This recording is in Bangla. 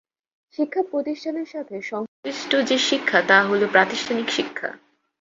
শিক্ষা প্রতিষ্ঠানের সাথে সংশ্লিষ্ট যে শিক্ষা তা হল প্রাতিষ্ঠানিক শিক্ষা।